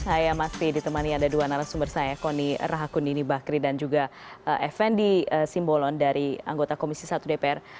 saya masih ditemani ada dua narasumber saya kony rahakundini bakri dan juga effendi simbolon dari anggota komisi satu dpr